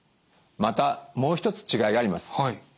またもう一つ違いがあります。